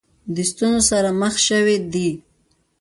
د ستونزو سره مخ شوې دي.